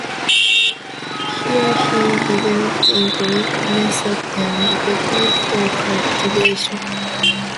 Here he developed improved methods and equipment for cultivation.